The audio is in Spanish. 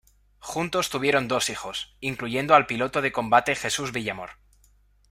Juntos tuvieron dos hijos, incluyendo al piloto de combate Jesús Villamor.